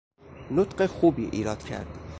نطق خوبی ایراد کرد